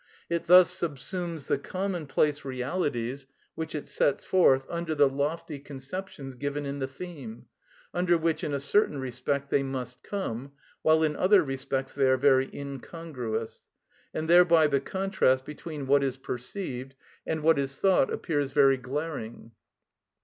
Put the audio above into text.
It thus subsumes the commonplace realities which it sets forth under the lofty conceptions given in the theme, under which in a certain respect they must come, while in other respects they are very incongruous; and thereby the contrast between what is perceived and what is thought appears very glaring.